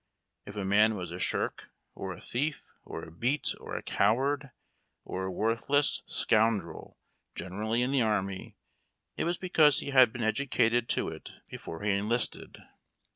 If a man was a shirk or a thief or a beat or a coward or a worthless scoun drel generally in the army, it was because he had been educated to it before he enlisted.